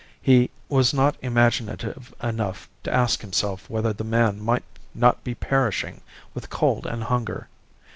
He was not imaginative enough to ask himself whether the man might not be perishing with cold and hunger.